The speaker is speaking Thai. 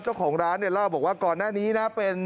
เจ้าของร้านเนี่ยเล่าบอกว่าก่อนหน้านี้นะเป็น